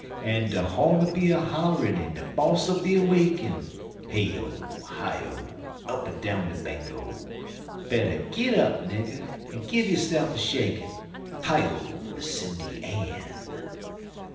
An' de ho'n 'll be a hollerin' en de boss 'll be a wakin' (Hey O! Hi O! Up'n down de Bango!) Better git up, nigger, en give yo'se'f a shakin' (Hi O, Miss Sindy Ann!)